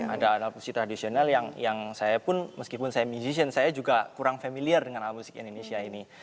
ada alat musik tradisional yang saya pun meskipun saya musisi saya juga kurang familiar dengan alat musik indonesia ini